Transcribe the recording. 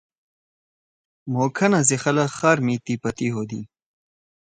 مھو کھنا سی خلگ خار می تی پہ تی ہودی۔